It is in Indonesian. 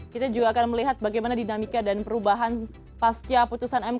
kita juga akan melihat bagaimana dinamiknya dan perubahan pasca putusan mk ini ya pak